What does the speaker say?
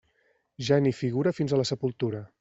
Geni i figura fins a la sepultura.